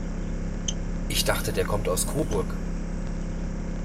Ich dachte, der kommt aus Coburg?